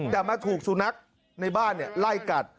แต่มาถูกสุนัขในบ้านไล่กัด